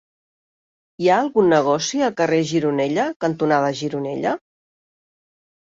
Hi ha algun negoci al carrer Gironella cantonada Gironella?